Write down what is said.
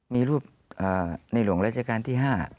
มีรูปในหลวงราชการที่๕